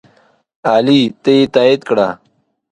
علي ته یې تایید کړه.